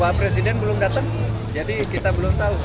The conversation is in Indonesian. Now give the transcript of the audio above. pak presiden belum datang jadi kita belum tahu